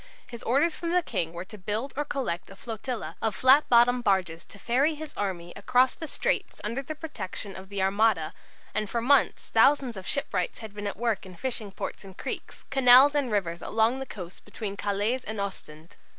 His orders from the King were to build or collect a flotilla of flat bottomed barges to ferry his army across the straits under the protection of the Armada, and for months thousands of shipwrights had been at work in fishing ports and creeks, canals and rivers along the coast between Calais and Ostend.